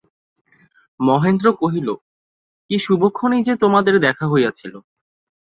মহেন্দ্র কহিল, কী শুভক্ষণেই যে তোমাদের দেখা হইয়াছিল।